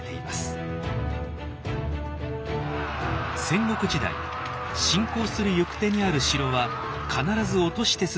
戦国時代侵攻する行く手にある城は必ず落として進むのが定石だったのです。